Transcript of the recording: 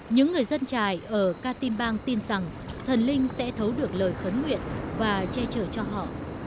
những người dân trại ở katimbang tin rằng thần linh sẽ thấu được lời khấn nguyện và che chở cho họ